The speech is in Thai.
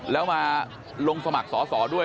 แล้วมาลงสมัครสอสอด้วย